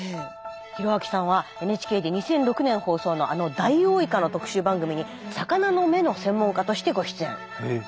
弘明さんはＮＨＫで２００６年放送のあのダイオウイカの特集番組に魚の目の専門家としてご出演。